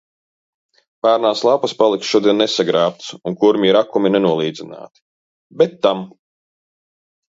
Pērnās lapas paliks šodien nesagrābtas un kurmju rakumi nenolīdzināti. Bet tam.